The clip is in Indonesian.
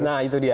nah itu dia